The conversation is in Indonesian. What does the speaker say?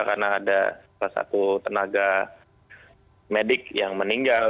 karena ada salah satu tenaga medik yang meninggal